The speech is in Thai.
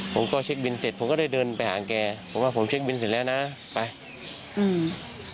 ผมก็เช็คบินเสร็จผมก็ได้เดินไปหาแกบอกว่าผมเช็คบินเสร็จแล้วนะไปอืม